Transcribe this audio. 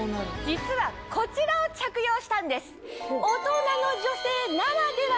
実はこちらを着用したんです。